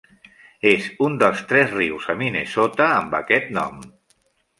És un dels tres rius a Minnesota amb aquest nom.